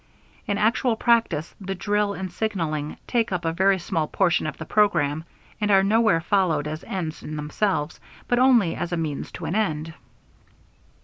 In actual practice the drill and signaling take up a very small portion of the program and are nowhere followed as ends in themselves, but only as a means to an end.